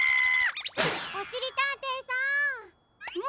・おしりたんていさん！